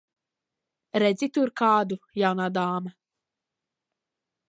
Redzi tur kādu, jaunā dāma?